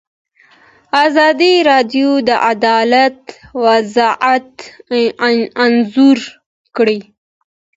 ازادي راډیو د عدالت وضعیت انځور کړی.